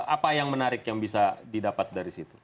apa yang menarik yang bisa didapat dari situ